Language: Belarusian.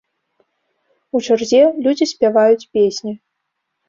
У чарзе людзі спяваюць песні.